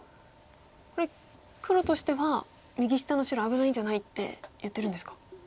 これ黒としては「右下の白危ないんじゃない？」って言ってるんですか。